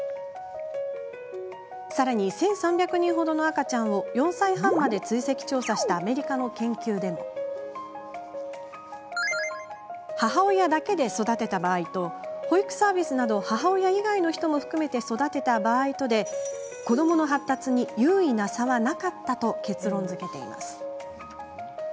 さらに１３００人ほどの赤ちゃんを４歳半まで追跡調査したアメリカの研究でも母親だけで育てた場合と保育サービスなど母親以外の人も含めて育てた場合とで子どもの発達に有意な差はなかったと結論づけています。